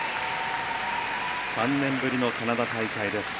３年ぶりのカナダ大会です。